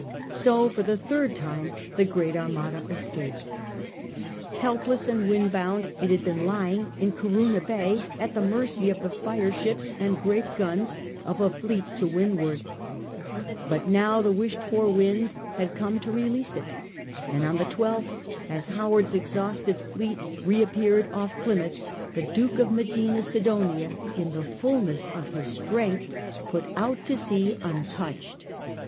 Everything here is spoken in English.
So for the third time the great Armada escaped. Helpless and wind bound it had been lying in Corunna Bay, at the mercy of the fireships and great guns of a fleet to wind 146 SIR FRANCIS DRAKE chap. ward. But now the wished f or wind had come to release it, and on the 12th, as Howard's exhausted fleet re appeared oflf Plymouth, the Duke of Medina Sidonia, in the fulness of his strength, put out to sea un touched.